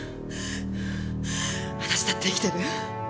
私だって生きてる。